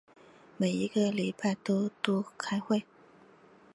每一个礼拜都开会。